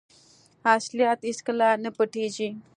اصلیت هیڅکله نه پټیږي.